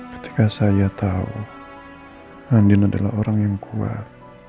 ketika saya tahu andin adalah orang yang kuat